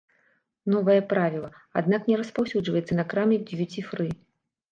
Новае правіла, аднак, не распаўсюджваецца на крамы д'юці-фры.